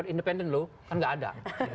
independent loh kan tidak ada